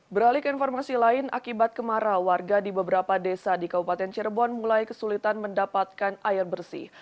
beralik informasi lain akibat kemarau warga di beberapa desa di kabupaten cirebon mulai kesulitan mendapatkan air bersih